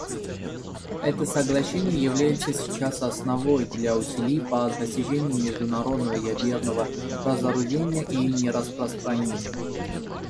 Это соглашение является сейчас основой для усилий по достижению международного ядерного разоружения и нераспространения.